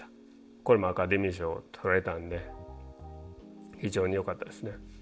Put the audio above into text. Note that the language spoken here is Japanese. これもアカデミー賞を取れたんで非常によかったですね。